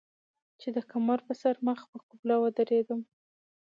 چې د کمر پۀ سر مخ پۀ قبله ودرېدم